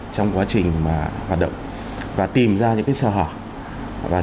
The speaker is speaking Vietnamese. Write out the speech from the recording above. trong quá trình hoạt động và tìm ra những sở hỏi